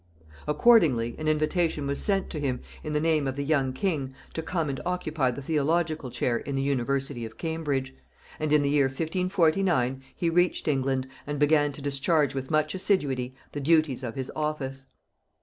Accordingly an invitation was sent to him, in the name of the young king, to come and occupy the theological chair in the university of Cambridge; and in the year 1549 he reached England, and began to discharge with much assiduity the duties of his office.